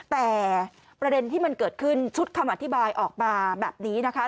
แต่ประเด็นที่มันเกิดขึ้นชุดคำอธิบายออกมาแบบนี้นะคะ